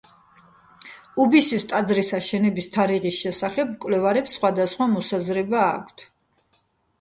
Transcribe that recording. უბისის ტაძრის აშენების თარიღის შესახებ მკვლევარებს სხვადასხვა მოსაზრება აქვთ.